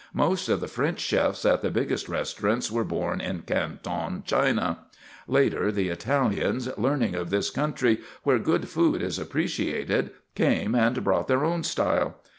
Most of the French chefs at the biggest restaurants were born in Canton, China. Later the Italians, learning of this country where good food is appreciated, came and brought their own style.